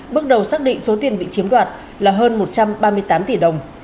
bước đầu xác định số tiền bị chiếm đoạt là hơn một trăm ba mươi tám tỷ đồng